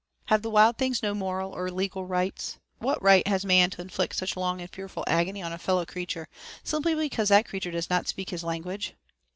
Have the wild things no moral or legal rights? What right has man to inflict such long and fearful agony on a fellow creature, simply because that creature does not speak his language?